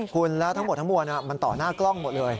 คุณแล้วทั้งหมดทั้งมวลมันต่อหน้ากล้องหมดเลย